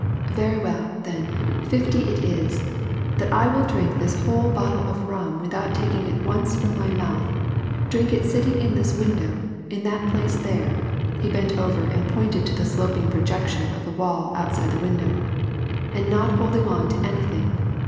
" Very well, then, fifty it is, — that I will drink this whole bottle of rum without taking it once from my mouth ; drink it sitting in this window, in that place there " (he bent over and pointed to the sloping projection of the wall outside the window), '*and not holding on to anything.